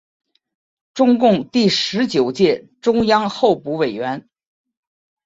中共第十九届中央候补委员。